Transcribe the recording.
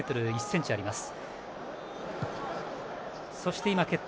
２ｍ１ｃｍあります。